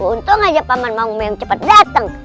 untung aja paman mau milk cepet dateng